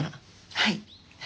はい。